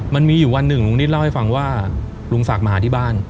มันมีอยู่วันหนึ่งลุงนิดเล่าให้ฟังว่าลุงศักดิ์มาหาที่บ้าน